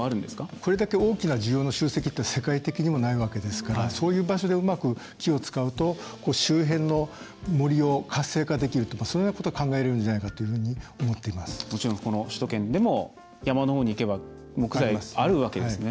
これだけ大きな需要の集積というのは世界的にもないわけですからそういう場所でうまく木を使うと周辺の森を活性化できるとかそういうようなことを考えれるんじゃないかもちろん、この首都圏でも山のほうに行けば木材があるわけですね。